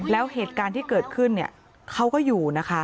แล้วเหตุการณ์ที่เกิดขึ้นเขาก็อยู่นะคะ